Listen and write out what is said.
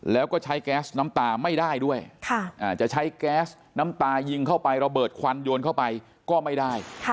แล้วก็ใช้แก๊สน้ำตาไม่ได้ด้วยจะใช้แก๊สน้ำตายิงเข้าไประเบิดควันโยนเข้าไปก็ไม่ได้